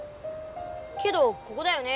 けどここだよね？